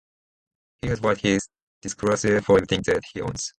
He has filed his disclosure for everything that he owns.